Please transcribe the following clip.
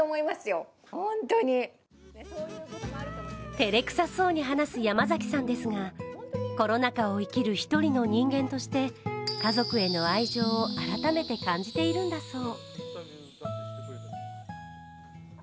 てれくさそうに話す山崎さんですがコロナ禍を生きる一人の人間として家族への愛情を改めて感じているんだそう。